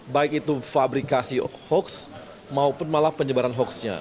baik itu fabrikasi hoax maupun malah penyebaran hoaxnya